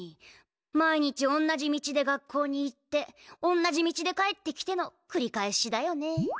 毎日おんなじ道で学校に行っておんなじ道で帰ってきてのくり返しだよね。